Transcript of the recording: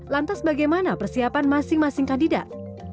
lantas bagaimana persiapan masing masing kandidat